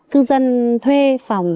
cư dân thuê phòng